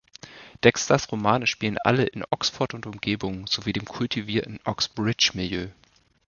Dexters Romane spielen alle in Oxford und Umgebung sowie dem kultivierten Oxbridge-Milieu.